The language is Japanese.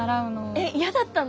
えっやだったの？